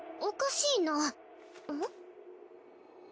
おかしいな。